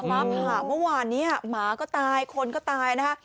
ฟ้าผ่าเมื่อวานนี้หมาก็ตายคนก็ตายนะคะ